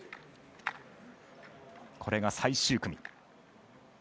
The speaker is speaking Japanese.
これが最終組。